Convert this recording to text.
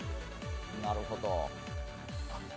なるほど。